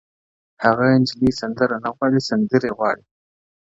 هغه نجلۍ سندره نه غواړي؛ سندري غواړي؛